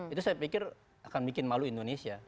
itu saya pikir akan bikin malu indonesia